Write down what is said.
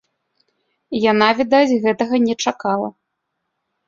Яна, відаць, гэтага не чакала.